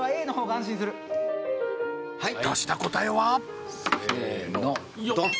もう出した答えは？せーのドン！